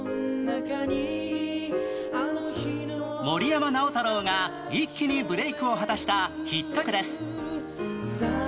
森山直太朗が一気にブレイクを果たしたヒット曲です